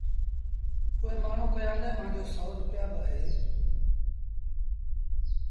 اُئي مآڻهوٚٚݩ ڪهيآݩدي مآݩجو سو روپيآ اهي